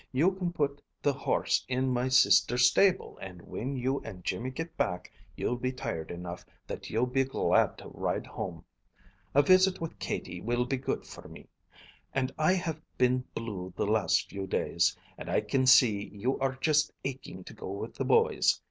You can put the horse in my sister's stable, and whin you and Jimmy get back, you'll be tired enough that you'll be glad to ride home. A visit with Katie will be good for me; I have been blue the last few days, and I can see you are just aching to go with the boys.